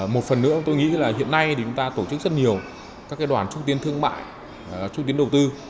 một phần nữa tôi nghĩ là hiện nay chúng ta tổ chức rất nhiều các cái đoàn trung tiến thương mại trung tiến đầu tư